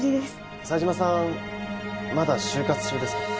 冴島さんまだ就活中ですか？